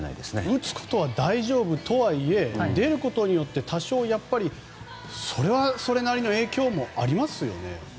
打つことは大丈夫とはいえ出ることによって多少それなりの影響もありますよね。